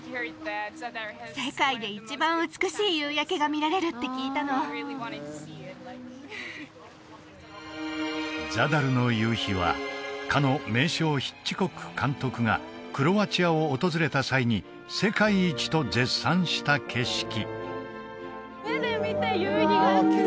が見られるって聞いたのザダルの夕日はかの名匠ヒッチコック監督がクロアチアを訪れた際に世界一と絶賛した景色